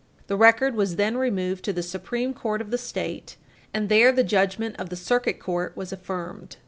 The record was then removed to the Supreme Court of the State, and there the judgment of the Circuit Court was affirmed.